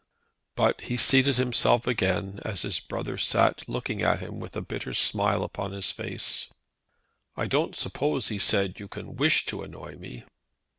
But he seated himself again as his brother sat looking at him with a bitter smile upon his face. "I don't suppose," he said, "you can wish to annoy me."